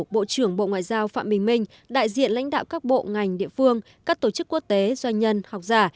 bộ trưởng bộ ngoại giao phạm bình minh đại diện lãnh đạo các bộ ngành địa phương các tổ chức quốc tế doanh nhân học giả